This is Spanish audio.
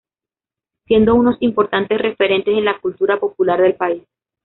Siendo unos importantes referentes en la cultura popular del país.